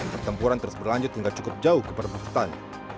pertempuran terus berlanjut hingga cukup jauh ke perbukitan